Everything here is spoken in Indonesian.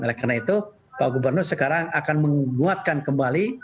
oleh karena itu pak gubernur sekarang akan menguatkan kembali